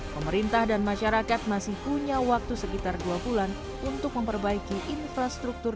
pemerintah dan masyarakat masih punya waktu sekitar dua bulan untuk memperbaiki infrastruktur